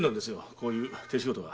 こういう手仕事が。